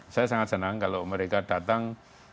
saya sangat senang kalau mereka datang